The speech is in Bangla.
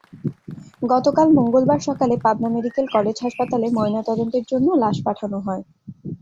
গতকাল মঙ্গলবার সকালে পাবনা মেডিকেল কলেজ হাসপাতালে ময়নাতদন্তের জন্য লাশ পাঠানো হয়।